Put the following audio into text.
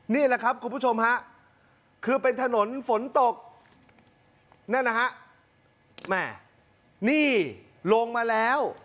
นี่แหละครับคุณผู้ชมฮะคือเป็นถนนฝนตกนั่นนะฮะแม่นี่ลงมาแล้ว